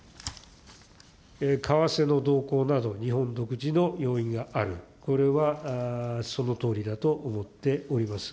為替の動向など、日本独自の要因がある、これはそのとおりだと思っております。